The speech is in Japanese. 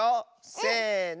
せの！